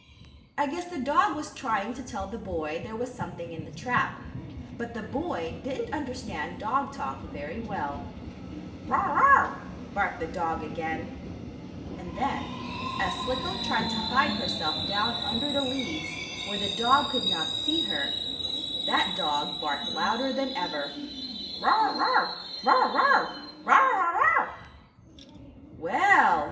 I guess the dog was trying to tell the boy there was something in the trap, but the boy didn't understand dog talk very well. "Bow wow!" barked the dog again. And then, as Slicko tried to hide herself down under the leaves, where the dog could not see her, that dog barked louder than ever. "Bow wow! Wow! Wow!